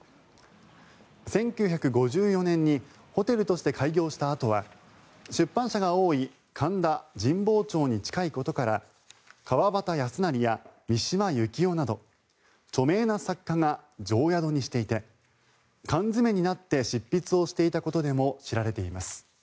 １９５４年にホテルとして開業したあとは出版社が多い神田神保町に近いことから川端康成や三島由紀夫など著名な作家が定宿にしていて缶詰めになって執筆をしていたことでも知られています。